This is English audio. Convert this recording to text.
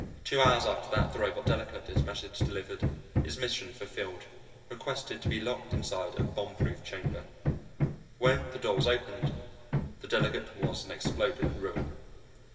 Two hours after that, the robot delegate, its message delivered, its mission fulfilled, requested to be locked inside a bombproof chamber. When the door was opened, the Delegate was an exploded ruin.